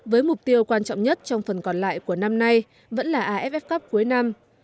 với mục tiêu quan trọng nhất trong phần còn lại của năm nay vẫn là aff cup cuối năm